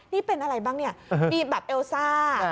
นี่เป็นอะไรบ้างเนี่ยมีแบบเอลซ่า